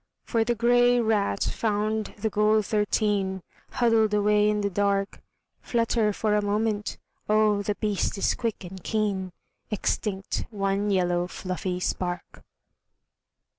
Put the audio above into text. For the grey rat found the gold thirteen Huddled away in the dark, Flutter for a moment, oh the beast is quick and keen, Extinct one yellow fluffy spark.